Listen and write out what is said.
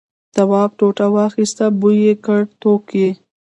تواب ټوټه واخیسته بوی یې کړ توک یې.